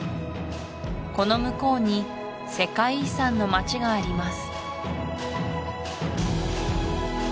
この向こうに世界遺産の町があります